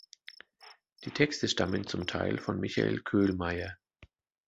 Die Texte stammen zum Teil von Michael Köhlmeier.